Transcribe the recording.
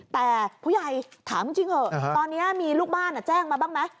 แต่ผู้ใหญ่ถามจริงเถอะตอนนี้มีลูกบ้านแจ้งมาบ้างไหม